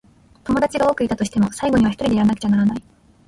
友達が多くいたとしても、最後にはひとりでやらなくちゃならない。